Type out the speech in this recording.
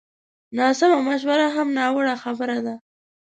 ناسمه مشوره هم ناوړه خبره ده